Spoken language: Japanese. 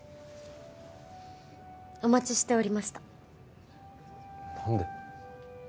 お待ちしておりました何で？